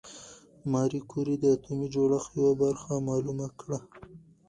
ماري کوري د اتومي جوړښت یوه برخه معلومه کړه.